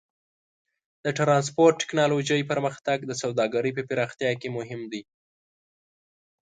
د ټرانسپورټ ټیکنالوجۍ پرمختګ د سوداګرۍ په پراختیا کې مهم دی.